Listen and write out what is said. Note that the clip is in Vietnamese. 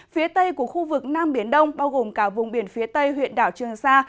phía tây của khu vực nam biển đông bao gồm cả vùng biển phía tây huyện đảo trường sa